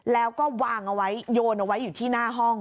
แล้วก็วางเอาไว้โยนเอาไว้อยู่ที่หน้าห้อง